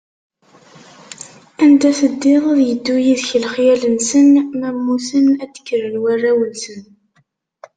Anda teddiḍ ad yeddu yid-k lexyal-nsen, ma mmuten ad d-kkren warraw-nsen.